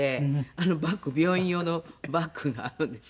バッグ病院用のバッグがあるんですけど。